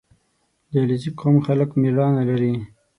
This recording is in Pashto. • د علیزي قوم خلک مېړانه لري.